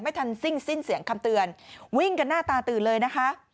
ทันสิ้นสิ้นเสียงคำเตือนวิ่งกันหน้าตาตื่นเลยนะคะ